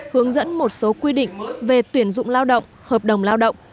hướng dẫn một số quy định về tuyển dụng lao động hợp đồng lao động